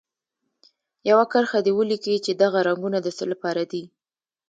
یوه کرښه دې ولیکي چې دغه رنګونه د څه لپاره دي.